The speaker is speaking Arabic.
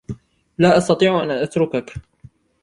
لا أستطيع أن أتركك.